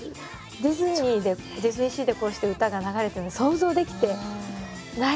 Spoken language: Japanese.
ディズニーでディズニーシーでこうして歌が流れてるの想像できてないですね。